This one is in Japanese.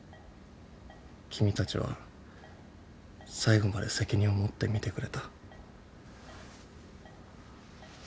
君たちは最後まで責任を持って診てくれた。